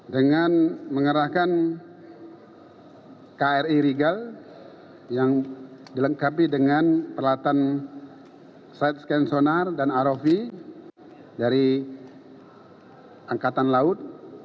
dengan mengerahkan kri rigal yang dilengkapi dengan peralatan side scan sonar dan rov dari angkatan laut